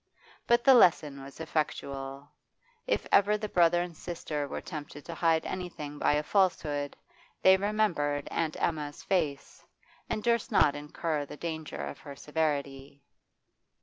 But the lesson was effectual. If ever the brother and sister were tempted to hide anything by a falsehood they remembered 'Aunt Emma's' face, and durst not incur the danger of her severity.